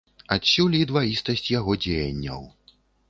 Адсюль і дваістасць яго дзеянняў.